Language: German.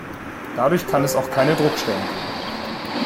Dadurch kann es auch keine Druckstellen geben.